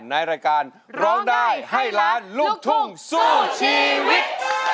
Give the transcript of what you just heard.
ในรายการร้องได้ให้ล้านลูกทุ่งสู้ชีวิต